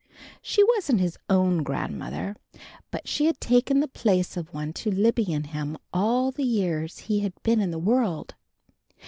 She wasn't his own grandmother, but she had taken the place of one to Libby and him, all the years he had been in the world.